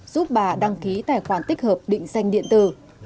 giúp bà đăng ký tài khoản tích hợp định danh điện tử